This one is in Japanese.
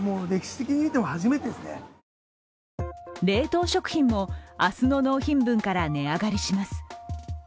冷凍食品も明日の納品分から値上がりします。